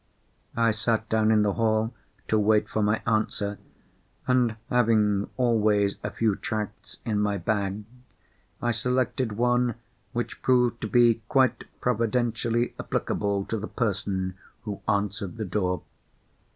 I sat down in the hall to wait for my answer—and, having always a few tracts in my bag, I selected one which proved to be quite providentially applicable to the person who answered the door.